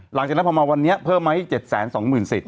หลังจากนั้นพอมาวันนี้เพิ่มไหม๗๒๐๐๐สิทธ